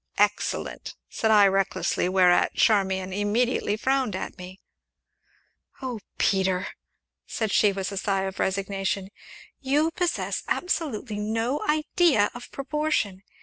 "Excellent!" said I recklessly, whereat Charmian immediately frowned at me. "Oh, Peter!" said she, with a sigh of resignation, "you possess absolutely no idea of proportion.